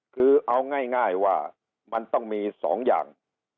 คือเอาง่ายว่ามันต้องมี๒อย่าง